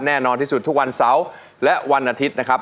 แน่นอนที่สุดทุกวันเสาร์และวันอาทิตย์นะครับ